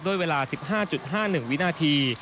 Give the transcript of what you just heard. ด้วยเวลา๑๕๕๑วินาที